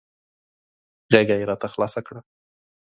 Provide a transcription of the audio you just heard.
غېږه یې راته خلاصه کړه .